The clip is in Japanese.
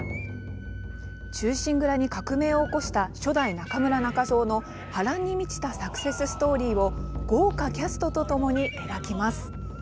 忠臣蔵に革命を起こした初代・中村仲蔵の波乱に満ちたサクセスストーリーを豪華キャストとともに描きます。